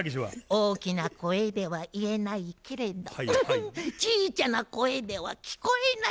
大きな声では言えないけれどちいちゃな声では聞こえない。